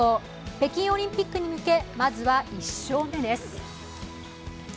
北京オリンピックに向けまずは１勝目です。